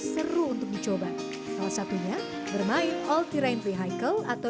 seru untuk dicoba salah satunya bermain all the right vehicle atau